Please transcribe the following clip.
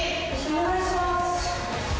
お願いします。